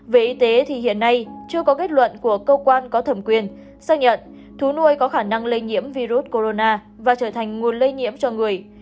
về y tế thì hiện nay chưa có kết luận của cơ quan có thẩm quyền xác nhận thú nuôi có khả năng lây nhiễm virus corona và trở thành nguồn lây nhiễm cho người